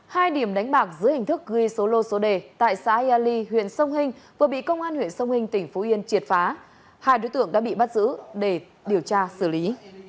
hai điểm đánh bạc dưới hình thức ghi số lô số đề tại xã ya ly huyện sông hình vừa bị công an huyện sông hình tỉnh phú yên triệt phá hai đối tượng đã bị bắt giữ để điều tra xử lý